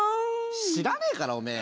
知らねえからおめえ。